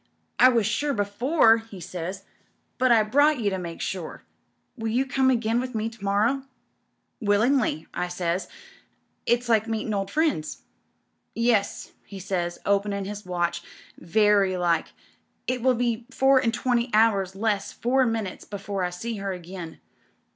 'I was sure before,' he says, 'but I brought you to make sure. Will you come again with me to morrow ?' "'TWUingly,* I says, 'it's like meetin' old friends.* "'Yes,' he says, openin' his watch, 'very like. It will be four and twenty hours less four minutes before I see her again.